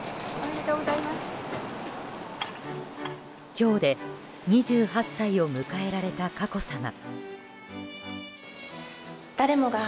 今日で２８歳を迎えられた佳子さま。